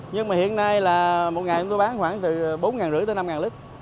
nhưng mà hiện nay là một ngày tôi bán khoảng từ bốn năm trăm linh tới năm lít